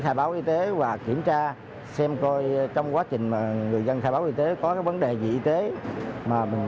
khai báo y tế và kiểm tra xem coi trong quá trình người dân khai báo y tế có vấn đề gì y tế mà mình